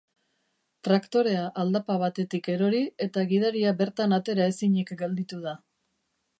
Traktorea aldapa batetik erori eta gidaria bertan atera ezinik gelditu da.